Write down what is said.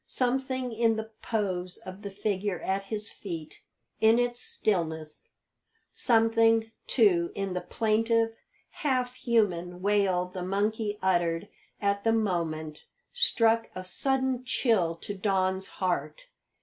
Something in the pose of the figure at his feet, in its stillness something, too, in the plaintive half human wail the monkey uttered at the moment struck a sudden chill to Don's heart.